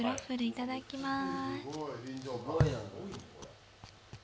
いただきます。